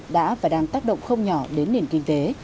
đã và đang tác động không nhỏ đến nền kinh tế